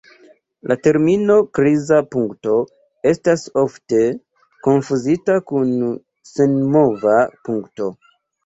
La termino "kriza punkto" estas ofte konfuzita kun "senmova punkto".